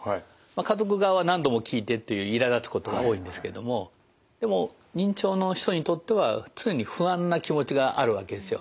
家族側は何度も聞いてっていういらだつことが多いんですけどもでも認知症の人にとっては常に不安な気持ちがあるわけですよ。